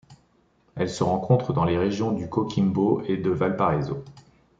Elle se rencontre dans les régions de Coquimbo et de Valparaíso.